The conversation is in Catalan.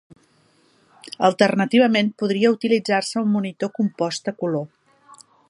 Alternativament, podria utilitzar-se un monitor compost a color.